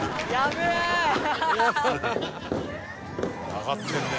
「上がってるね」